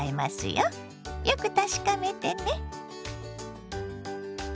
よく確かめてね。